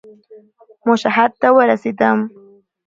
مشهد ته ورسېدم.